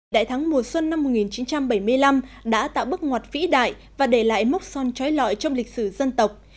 đại thắng mùa xuân năm một nghìn chín trăm bảy mươi năm đã tạo bước ngoặt vĩ đại và để lại mốc son trói lọi trong lịch sử dân tộc